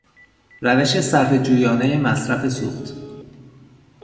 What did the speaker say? روش صرفه جویانه مصرف سوخت